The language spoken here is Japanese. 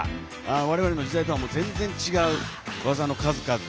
我々の時代とは全然違う技の数々。